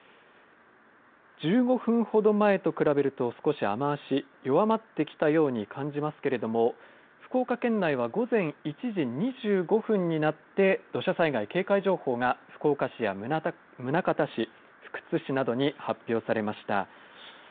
１５分ほど前と比べると、少し雨足、弱まってきたように感じますけれども、福岡県内は午前１時２５分になって、土砂災害警戒情報が福岡市や宗像市、福津市などに発表されました。